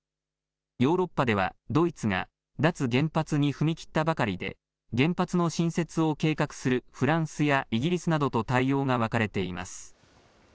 ヨーロッパでは、ドイツが脱原発に踏み切ったばかりで、原発の新設を計画するフランスやイギリスなどと対応が分かれています。